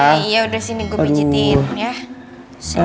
iya iya udah sini gue pijitin ya